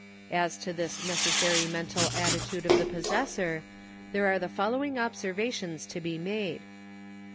As to this necessary mental attitude of the possessor there are the following observations to be made.